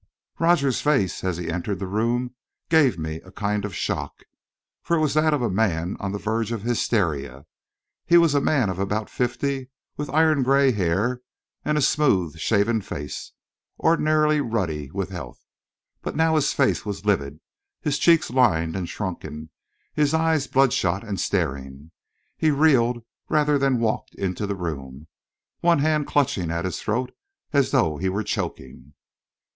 Rogers's face, as he entered the room, gave me a kind of shock, for it was that of a man on the verge of hysteria. He was a man of about fifty, with iron grey hair, and a smooth shaven face, ordinarily ruddy with health. But now his face was livid, his cheeks lined and shrunken, his eyes blood shot and staring. He reeled rather than walked into the room, one hand clutching at his throat, as though he were choking.